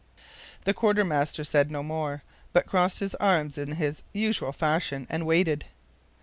The quartermaster said no more, but crossed his arms in his usual fashion and waited.